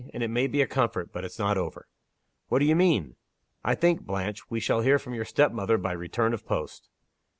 "And it may be a comfort. But it's not over." "What do you mean?" "I think, Blanche, we shall hear from your step mother by return of post."